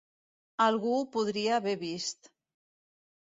Algú ho podria haver vist.